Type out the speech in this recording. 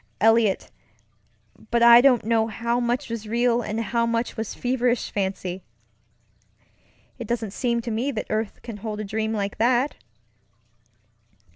Eliot, but I don't know how much was real and how much was feverish fancy. It doesn't seem to me that earth can hold a dream like that!